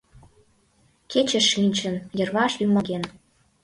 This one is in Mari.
Кече шинчын, йырваш рӱмбалген.